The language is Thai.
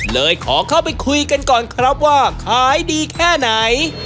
เลยขอเข้าไปคุยกันก่อนครับว่าขายดีแค่ไหน